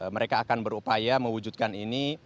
mereka akan berupaya mewujudkan ini